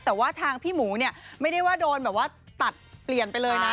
แต่ว่าทางพี่หมูเนี่ยไม่ได้ว่าโดนแบบว่าตัดเปลี่ยนไปเลยนะ